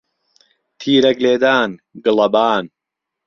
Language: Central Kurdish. تیرەک لێدان، گڵەبان